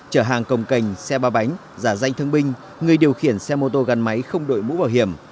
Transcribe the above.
chở hàng công cành xe ba bánh giả danh thương binh người điều khiển xe mô tô gắn máy không đội mũ bảo hiểm